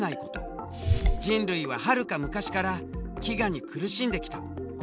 人類ははるか昔から飢餓に苦しんできた。